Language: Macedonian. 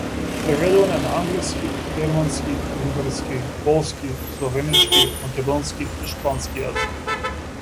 Преведуван е на англиски, германски, унгарски, полски, словенечки, македонски и шпански јазик.